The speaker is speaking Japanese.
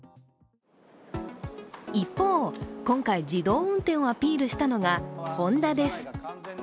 一方、今回、自動運転をアピールしたのがホンダです。